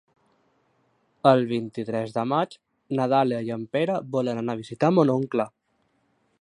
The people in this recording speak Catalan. El vint-i-tres de maig na Dàlia i en Pere volen anar a visitar mon oncle.